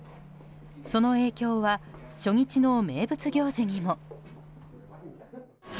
その影響は初日の名物行事にも。